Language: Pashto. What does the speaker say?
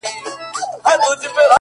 • دوه زړونه په سترگو کي راگير سوله ـ